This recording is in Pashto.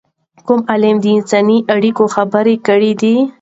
کوم عالم د انساني اړیکو خبره کړې ده؟